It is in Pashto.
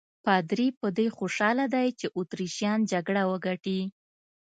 پادري په دې خوشاله دی چې اتریشیان جګړه وګټي.